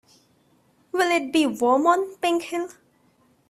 Will it be warm on Pink Hill?